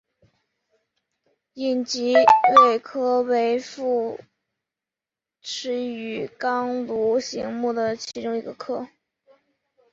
隐棘鳚科为辐鳍鱼纲鲈形目的其中一个科。